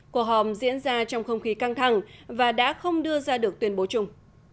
cuộc họp diễn ra trong không khí căng thẳng và đã không đưa ra được tuyên bố chung